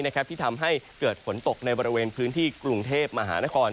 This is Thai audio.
ที่ทำให้เกิดฝนตกในบริเวณพื้นที่กรุงเทพมหานคร